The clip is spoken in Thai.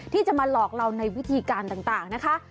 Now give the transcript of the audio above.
ที่จะมาหลอกเราในวิธีการต่างนะคะ